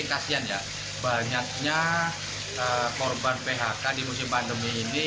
kasian ya banyaknya korban phk di musim pandemi ini